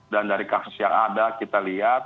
dan dari kasus yang ada kita lihat